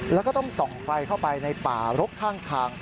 แล้วก็ต้องส่องไฟเข้าไปในป่ารกข้างทาง